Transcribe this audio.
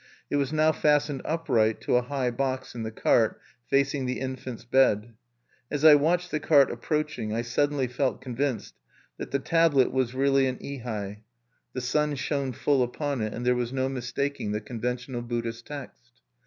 It was now fastened upright to a high box in the cart facing the infant's bed. As I watched the cart approaching, I suddenly felt convinced that the tablet was really an ihai: the sun shone full upon it, and there was no mistaking the conventional Buddhist text.